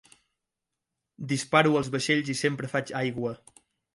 Disparo als vaixells i sempre faig aigua.